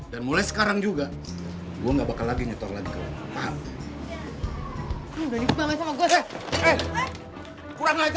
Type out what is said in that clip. dan mulai sekarang juga gue gak bakal nyetor lagi sama lo